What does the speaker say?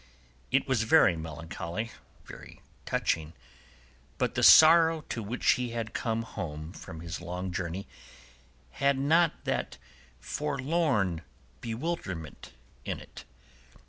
It was very melancholy, very touching, but the sorrow to which he had come home from his long journey had not that forlorn bewilderment in it.